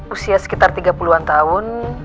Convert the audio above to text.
usia sekitar tiga puluh an tahun